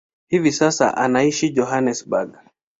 Hivi sasa anaishi Johannesburg.